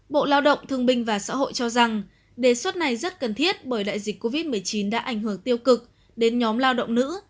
bộ lao động thương binh và xã hội cho rằng đề xuất này rất cần thiết bởi đại dịch covid một mươi chín đã ảnh hưởng tiêu cực đến nhóm lao động nữ